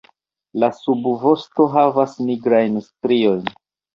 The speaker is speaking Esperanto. La subvosto havas nigrajn striojn.